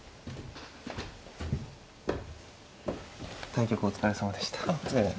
対局お疲れさまでした。